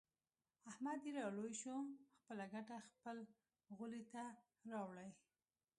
احمد چې را لوی شو. خپله ګټه خپل غولي ته راوړي.